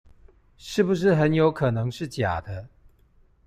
是不是很有可能是假的